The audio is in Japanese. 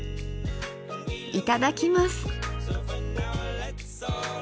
いただきます。